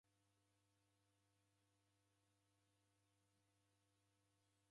Timu izighanagha maza ra ndoe.